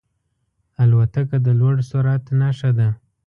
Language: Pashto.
الوتکه د لوړ سرعت نښه ده.